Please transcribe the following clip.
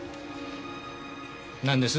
なんです？